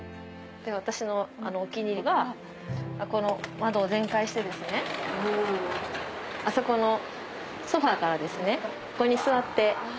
私のお気に入りがこの窓を全開してあそこのソファからここに座って。